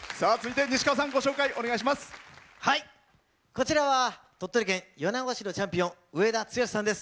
こちらは鳥取県米子市のチャンピオン上田剛史さんです。